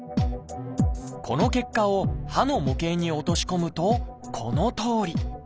この結果を歯の模型に落とし込むとこのとおり。